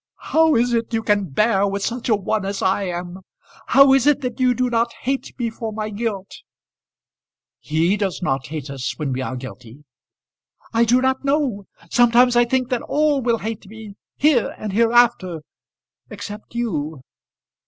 "How is it you can bear with such a one as I am? How is it that you do not hate me for my guilt?" "He does not hate us when we are guilty." "I do not know. Sometimes I think that all will hate me, here and hereafter except you.